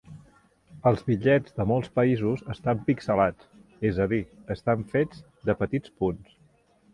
Els bitllets de molts països estan pixelats; és a dir, estan fets de petits punts.